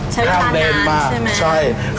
ชาววิทยาลังก์ใช่มั้ย